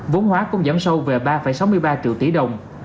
vốn hóa cũng giảm sâu về ba sáu mươi ba triệu tỷ đồng